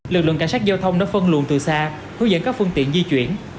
lực lượng cảnh sát giao thông đã phân luồn từ xa hướng dẫn các phương tiện di chuyển